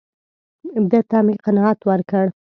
ده ته مې قناعت ورکړ.